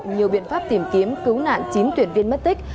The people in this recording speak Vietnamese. nhiều biện pháp tìm kiếm cứu nạn chín tuyển viên mất tích